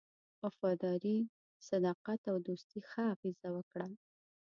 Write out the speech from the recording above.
وفاداري، صداقت او دوستی ښه اغېزه وکړه.